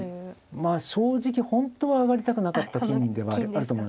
まあ正直本当は上がりたくなかった金ではあると思います。